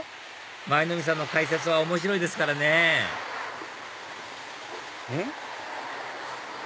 舞の海さんの解説は面白いですからねうん？